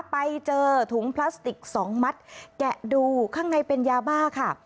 ไปเจอถุงพลาสติกสองมัดแกะดูข้างในเป็นยาบ้าค่ะ